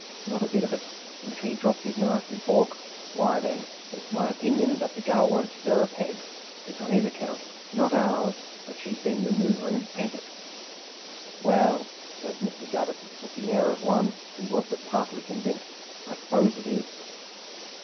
Not a bit of it; and if he drops his knife and fork, why then, it's my opinion that the gal won't stir a peg. It's on his account, not ours, that she's been manoovering, ain't it?" "Well!" says Mr. Gabbett, with the air of one who was but partly convinced, "I s'pose it is."